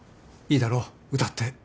いいだろ歌って。